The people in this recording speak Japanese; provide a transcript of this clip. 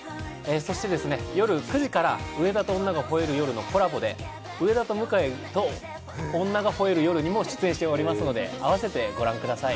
そして夜９時から『上田と女が吠える夜』のコラボで、『上田と向井と女が吠える夜』にも出演しておりますので、併せてご覧ください。